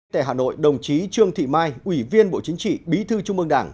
tại hà nội đồng chí trương thị mai ủy viên bộ chính trị bí thư trung ương đảng